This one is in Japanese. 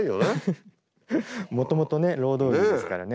もともとね労働着ですからね。